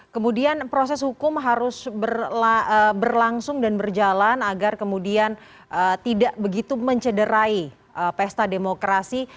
kemudian proses hukum harus berlangsung dan berjalan agar kemudian tidak begitu mencederai pesta demokrasi